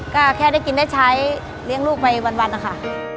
ก็แค่ได้กินได้ใช้เลี้ยงลูกไปวันนะคะ